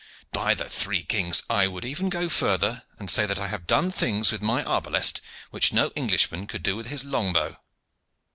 By the three kings! I would even go further, and say that I have done things with my arbalest which no Englishman could do with his long bow."